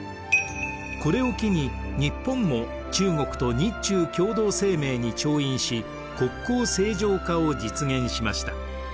これを機に日本も中国と日中共同声明に調印し国交正常化を実現しました。